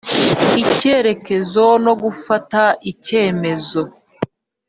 Icyerekezo no gufata ibyemezo